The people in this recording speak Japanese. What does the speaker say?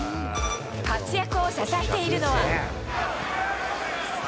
活躍を支えているのは。